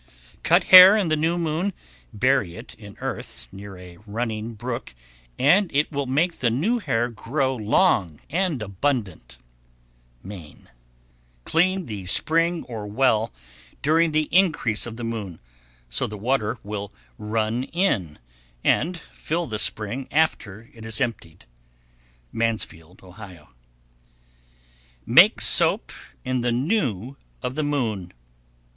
Cut hair in the new moon, bury it in earth near a running brook, and it will make the new hair grow long and abundant. Maine. 1135. Clean the spring or well during the increase of the moon, so the water will run in and fill the spring after it is emptied. Mansfield, O. 1136. Make soap in the new of the moon.